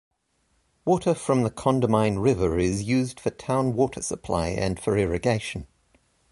Water from the Condamine River is used for town water supply and for irrigation.